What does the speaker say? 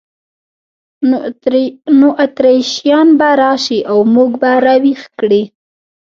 نو اتریشیان به راشي او موږ به را ویښ کړي.